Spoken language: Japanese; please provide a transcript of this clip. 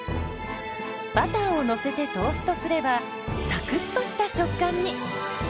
バターをのせてトーストすればサクッとした食感に！